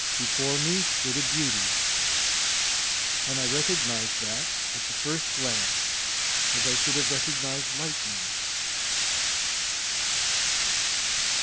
Before me stood a beauty, and I recognized that at the first glance as I should have recognized lightning.